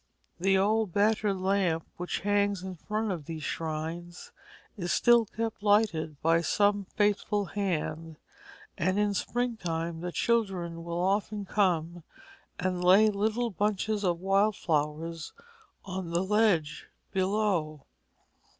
The old battered lamp which hangs in front of these shrines is still kept lighted by some faithful hand, and in spring time the children will often come and lay little bunches of wild flowers on the ledge below.